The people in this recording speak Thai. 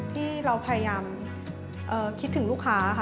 ที่เราพยายามคิดถึงลูกค้าค่ะ